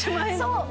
そう！